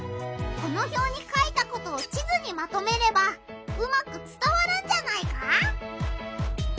このひょうに書いたことを地図にまとめればうまくつたわるんじゃないか？